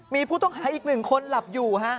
มีผู้ต้องหาอีกหนึ่งคนหลับอยู่ฮะ